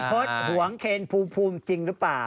พี่พุทธห่วงเคนพูมจริงหรือเปล่า